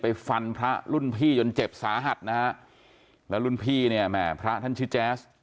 ฟันพระรุ่นพี่จนเจ็บสาหัสนะฮะแล้วรุ่นพี่เนี่ยแหม่พระท่านชื่อแจ๊ส